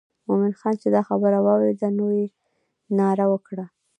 مومن خان چې دا خبره واورېده نو یې ناره وکړه.